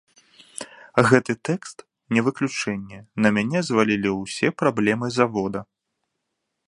Гэты тэкст не выключэнне, на мяне звалілі ўсе праблемы завода.